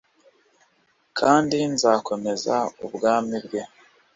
kandi nzakomeza ubwami bwe.